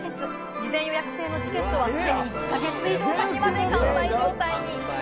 事前予約制のチケットは既に１か月以上先まで完売状態に。